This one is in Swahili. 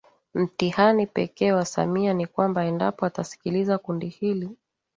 Mtihani pekee kwa Samia ni kwamba endapo atasikiliza kundi hili